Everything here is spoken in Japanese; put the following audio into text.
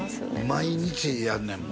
毎日やんねんもん